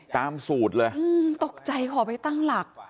ตามสูตรเลยตกใจขอไปตั้งหลัก